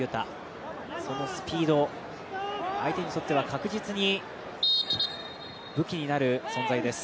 そのスピード、相手にとっては確実に武器になる存在です。